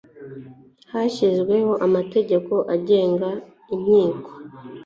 hashyizweho amategeko agenga inkiko